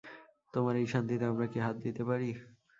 তোমার এই শান্তিতে আমরা কি হাত দিতে পারি?